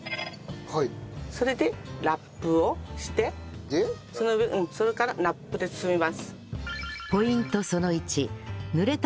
それでラップをしてそれからラップで包みます。